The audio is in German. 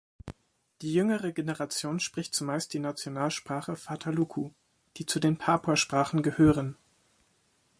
Die jüngere Generation spricht zumeist die Nationalsprache Fataluku, die zu den Papuasprachen gehören.